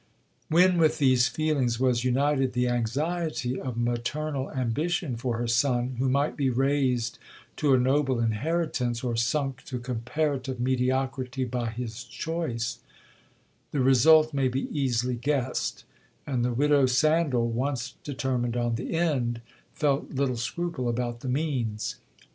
'When with these feelings was united the anxiety of maternal ambition for her son, who might be raised to a noble inheritance, or sunk to comparative mediocrity by his choice, the result may be easily guessed; and the widow Sandal, once determined on the end, felt little scruple about the means.